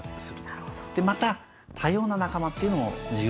また多様な仲間っていうのも重要なんですよね。